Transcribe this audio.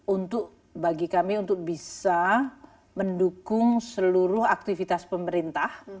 untuk bagi kami untuk bisa mendukung seluruh aktivitas pemerintah